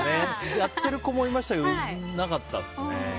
やってる子もいましたけどなかったですね。